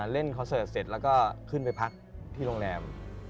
คอนเสิร์ตเสร็จแล้วก็ขึ้นไปพักที่โรงแรม